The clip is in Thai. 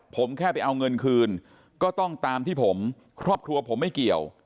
ผมแค่ไปเอาเงินคืนก็ต้องตามที่ผมครอบครัวผมไม่เกี่ยว